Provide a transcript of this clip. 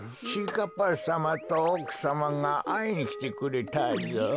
かっぱさまとおくさまがあいにきてくれたぞ。